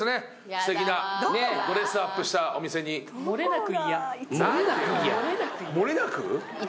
すてきなねぇやだなドレスアップしたお店にもれなく！？